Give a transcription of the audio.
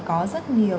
có rất nhiều